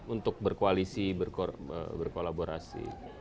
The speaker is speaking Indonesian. untuk berkoalisi berkolaborasi